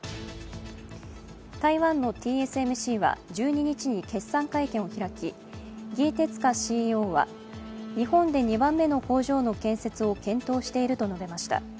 台湾のＴＳＭＣは１２日に、決算会見を開き、魏哲家ＣＥＯは日本で２番目の工場の建設を検討していると述べました。